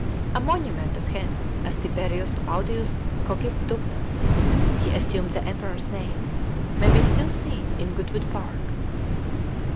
A monument of him, as Tiberius Claudius Cogidubnus — he assumed the Emperor's name — may be still seen in Goodwood Park.